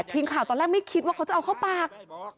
ทีมข่าวตอนแรกไม่คิดว่าเขาจะเอาเข้าปาก